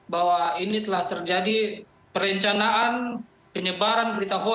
bahwa ini telah terjadi perencanaan penyebaran